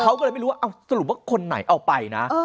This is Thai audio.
เขาก็เลยไม่รู้ว่าสรุปว่าคนไหนเอาไปนะ